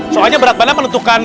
soalnya berat badan menentukan